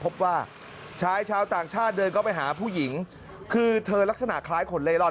พบว่าชายชาวต่างชาติเดินเข้าไปหาผู้หญิงคือเธอลักษณะคล้ายคนเล่ร่อน